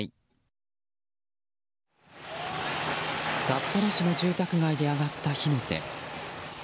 札幌市の住宅街で上がった火の手。